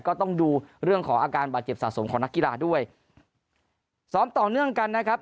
ก็ต้องดูเรื่องของอาการบาดเจ็บสะสมของนักกีฬาด้วยซ้อมต่อเนื่องกันนะครับ